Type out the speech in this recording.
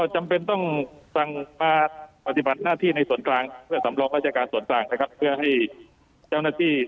จะการส่วนสร้างนะครับเพื่อให้เข้าหน้าที่